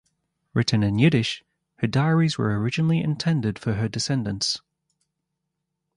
Written in Yiddish, her diaries were originally intended for her descendants.